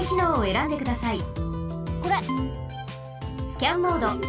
スキャンモード。